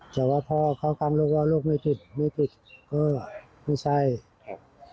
แต่ว่าพ่อเขากำลูกว่าลูกไม่ผิดไม่ผิดก็ไม่ใช่ครับ